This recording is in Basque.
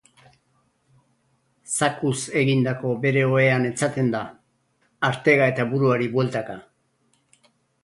Zakuz egindako bere ohean etzaten da, artega eta buruari bueltaka.